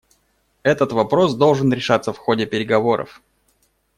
Этот вопрос должен решаться в ходе переговоров.